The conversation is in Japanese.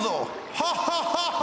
ハハハハハ。